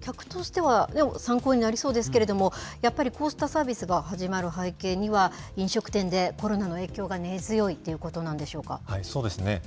客としては参考になりそうですけれども、やっぱりこうしたサービスが始まる背景には、飲食店でコロナの影響が根強いというこそうですね。